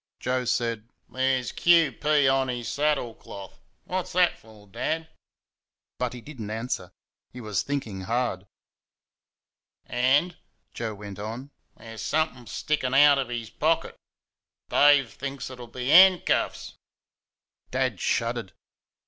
Joe said: "There's "Q.P." on his saddle cloth; what's that for, Dad?" But he did n't answer he was thinking hard. "And," Joe went on, "there's somethin' sticking out of his pocket Dave thinks it'll be 'ancuffs." Dad shuddered.